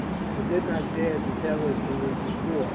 I did not dare to tell it you before.